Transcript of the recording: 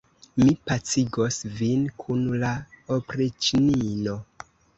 Mi pacigos vin kun la opriĉnino.